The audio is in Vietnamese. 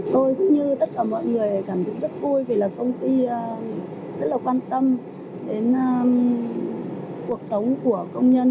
tôi cũng như tất cả mọi người cảm thấy rất vui vì là công ty rất là quan tâm đến cuộc sống của công nhân